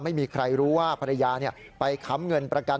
ไม่มีใครรู้ว่าภรรยาไปค้ำเงินประกัน